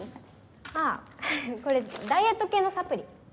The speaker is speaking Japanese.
あぁこれダイエット系のサプリ。